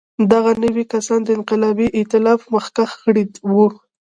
دغه نوي کسان د انقلابي اېتلاف مخکښ غړي وو.